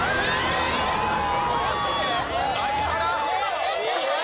大波乱。